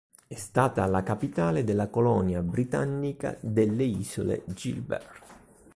È stata la capitale della colonia britannica delle isole Gilbert.